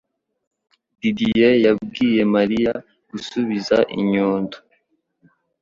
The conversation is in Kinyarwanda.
Didier yabwiye Mariya gusubiza inyundo